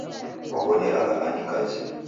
Kwabonyeragha ani kazi